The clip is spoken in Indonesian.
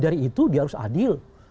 dari itu dia harus adil